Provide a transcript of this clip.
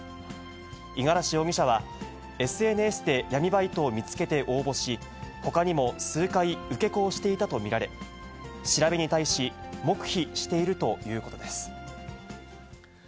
五十嵐容疑者は、ＳＮＳで闇バイトを見つけて応募し、ほかにも数回、受け子をしていたと見られ、調べに対し、黙秘しているということです。